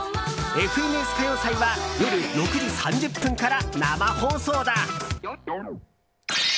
「ＦＮＳ歌謡祭」は夜６時３０分から生放送だ！